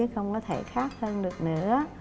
không có thể khác hơn được nữa